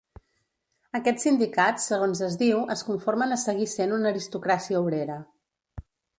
Aquests sindicats, segons es diu, es conformen a seguir sent una aristocràcia obrera.